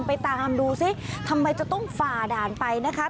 ไปตามดูซิเล่าท้องฝ่าด่านไปนะคะ